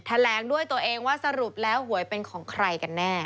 แถลงด้วยตัวเองว่าสรุปแล้วหวยเป็นของใครกันแน่